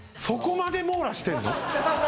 そこまで網羅してんの？